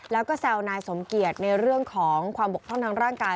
แล้วก็แซวนายสมเกียจในเรื่องของความบกพร่องทางร่างกาย